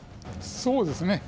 そうですね。